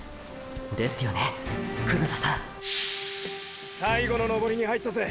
ですよね黒田さん最後の登りに入ったぜ！！